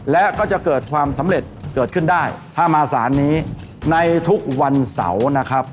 และก็จะเกิดความสำเร็จเกิดขึ้นได้ถ้ามาสารนี้ในทุกวันเสาร์นะครับ